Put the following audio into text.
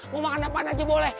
mau makan apa aja boleh